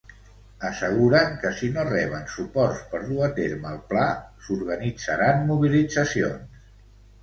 Asseguren que si no reben suports per dur a terme el pla s'organitzaran mobilitzacions.